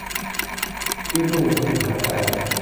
ยืมจมูกคนอื่นหายใจ